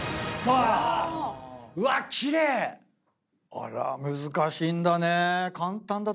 あらっ難しいんだね。